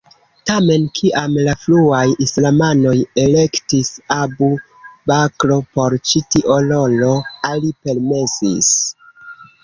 Tamen kiam la fruaj islamanoj elektis Abu Bakr por ĉi tio rolo, Ali permesis.